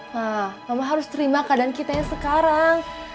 ma mama harus terima keadaan kita yang sekarang